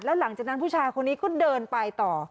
แล้วหลังจากนั้นผู้ชายคนนี้ก็เดินไปต่อ